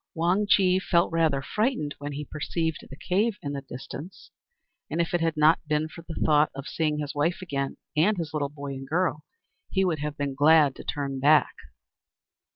Wang Chih felt rather frightened when he perceived the cave in the distance, and if it had not been for the thought of seeing his wife again, and his little boy and girl, he would have been glad to turn back.